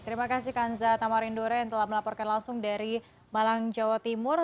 terima kasih kanza tamarindora yang telah melaporkan langsung dari malang jawa timur